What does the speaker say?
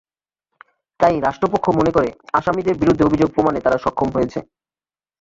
তাই রাষ্ট্রপক্ষ মনে করে, আসামিদের বিরুদ্ধে অভিযোগ প্রমাণে তারা সক্ষম হয়েছে।